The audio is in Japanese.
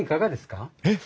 えっ！